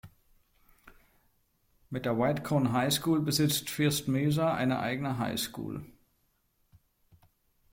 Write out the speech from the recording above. Mit der "White Cone High School" besitzt First Mesa eine eigene High School.